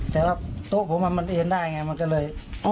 แต่โต๊ะผมมันมันไอไงมันก็เลย